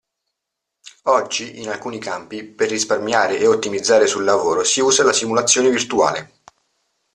Oggi, in alcuni campi, per risparmiare e ottimizzare sul lavoro si usa la simulazione virtuale.